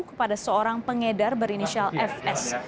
kepada seorang pengedar berinisial fs